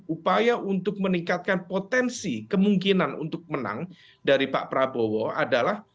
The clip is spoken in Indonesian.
upaya untuk meningkatkan potensi kemungkinan untuk menang dari pak prabowo adalah